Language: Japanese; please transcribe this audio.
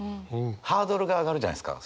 ハードルが上がるじゃないですか。